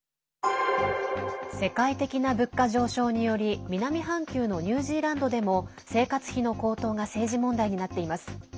世界的な物価上昇により南半球のニュージーランドでも生活費の高騰が政治問題になっています。